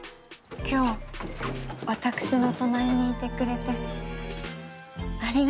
今日私の隣にいてくれてありがとう。